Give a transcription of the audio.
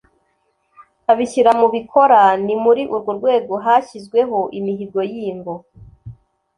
abishyira mu bikora. Ni muri urwo rwego hashyizweho imihigo y’ingo